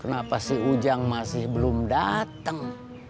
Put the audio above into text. kenapa si ujang masih belum datang